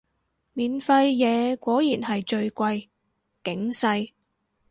免費嘢果然係最貴，警世